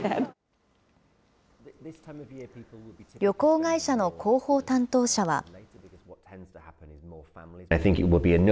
旅行会社の広報担当者は。